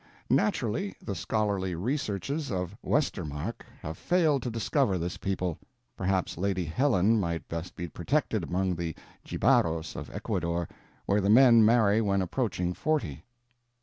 Naturally, the scholarly researches of Westermarck have failed to discover this people; perhaps Lady Helen might best be protected among the Jibaros of Ecuador, where the men marry when approaching forty.